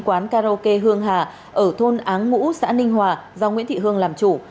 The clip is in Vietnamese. quán karaoke hương hà ở thôn áng ngũ xã ninh hòa do nguyễn thị hương làm chủ